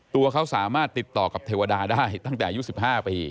ตัวเขาสามารถติดต่อกับเทวดาได้ตั้งแต่อายุ๑๕ปี